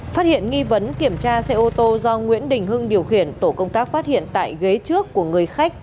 phát hiện nghi vấn kiểm tra xe ô tô do nguyễn đình hưng điều khiển tổ công tác phát hiện tại ghế trước của người khách